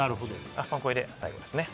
これで最後ですね。